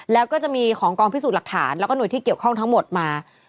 แล้วก็จะมีของกองพิสูจน์หลักฐานแล้วก็หน่วยที่เกี่ยวข้องทั้งหมดมา